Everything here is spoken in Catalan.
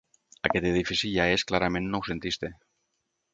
Aquest edifici ja és clarament noucentista.